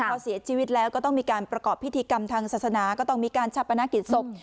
พอเสียชีวิตแล้วก็ต้องมีการประกอบพิธีกรรมทางศาสนาก็ต้องมีการชาปนกิจศพ